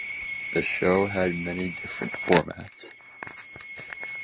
The show had many different formats.